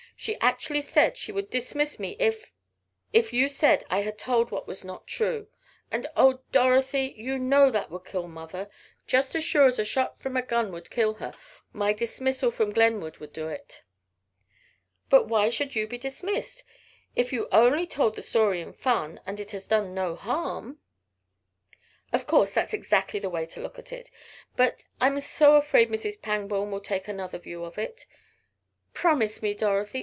She actually said she would dismiss me if if you said I had told what was not true. And oh, Dorothy! You know that would kill mother! Just as sure as a shot from a gun would kill her, my dismissal from Glenwood would do it!" "But why should you be dismissed? If you only told the story in fun, and it has done no harm " "Of course that's exactly the way to look at it. But I'm so afraid Mrs. Pangborn will take another view of it. Promise me, Dorothy!